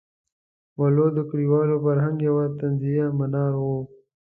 ولو د کلیوال فرهنګ یو طنزیه منار وو.